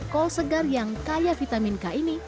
kol segar yang kaya vitamin k ini